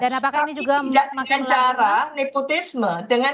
tidak dengan cara nepotisme